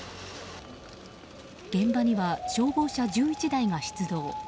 現場には消防車１１台が出動。